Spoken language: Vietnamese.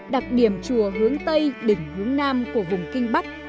đặc điểm chùa hướng tây đỉnh hướng nam của vùng kinh bắc